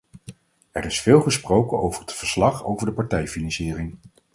Er is veel gesproken over het verslag over de partijfinanciering.